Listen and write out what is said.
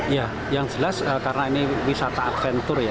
ya yang jelas karena ini wisata adventure ya